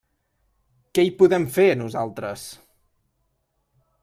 Què hi podem fer, nosaltres?